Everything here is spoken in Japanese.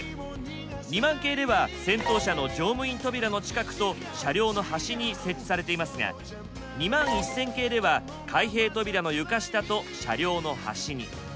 ２００００系では先頭車の乗務員扉の近くと車両の端に設置されていますが２１０００系では開閉扉の床下と車両の端に。